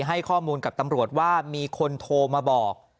ให้ข้อมูลกับตำรวจว่ามีคนโทรมาบอก